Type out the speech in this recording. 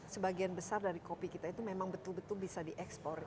sebagian besar dari kopi kita itu memang betul betul bisa diekspor